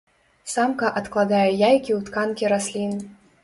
Самка адкладае яйкі ў тканкі раслін.